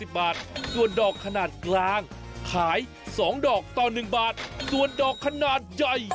บาทส่วนดอกขนาดกลางขาย๒ดอกต่อ๑บาทส่วนดอกขนาดใหญ่